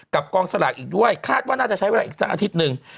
กองสลากอีกด้วยคาดว่าน่าจะใช้เวลาอีกสักอาทิตย์หนึ่ง